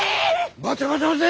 待て待て待て！